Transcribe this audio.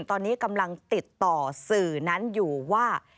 ตอนนี้กำลังติดต่อสื่อนั้นอยู่ว่า